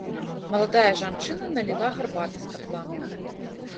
Маладая жанчына наліла гарбаты з катла.